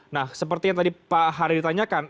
nah seperti yang tadi pak harid ditanyakan